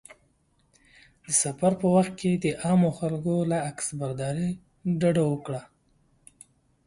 د سفر په وخت کې د عامو خلکو له عکسبرداري ډډه وکړه.